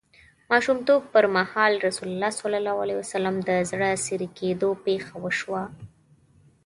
ماشومتوب پر مهال رسول الله ﷺ د زړه د څیری کیدو پېښه وشوه.